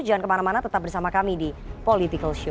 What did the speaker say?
jangan kemana mana tetap bersama kami di political show